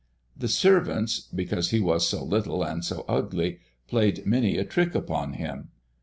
The servants, because he was so little and so ugly, played many a trick upon him.